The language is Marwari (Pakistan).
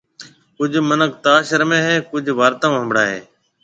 ڪجھ مِنک تاش رُميَ ھيََََ، ڪجھ وارتائون ھنڀڙائيَ ھيََََ